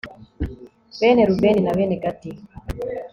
bene rubeni na bene gadi